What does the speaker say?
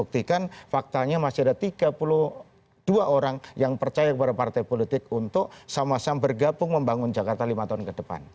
buktikan faktanya masih ada tiga puluh dua orang yang percaya kepada partai politik untuk sama sama bergabung membangun jakarta lima tahun ke depan